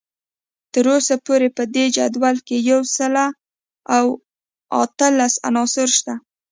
تر اوسه پورې په دې جدول کې یو سل او اتلس عناصر شته